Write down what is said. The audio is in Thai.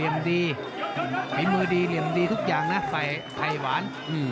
มีมือดีเรียนดีทุกอย่างนะไข่หวาน